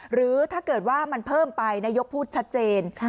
หรือถ้าเกิดว่ามันเพิ่มไปนายกพูดชัดเจน